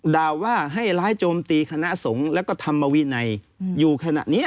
ด่าว่าให้ร้ายโจมตีคณะสงฆ์แล้วก็ธรรมวินัยอยู่ขณะนี้